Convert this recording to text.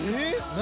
何？